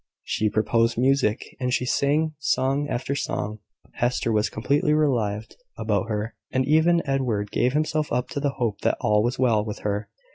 She proposed music, and she sang song after song. Hester was completely relieved about her; and even Edward gave himself up to the hope that all was well with her.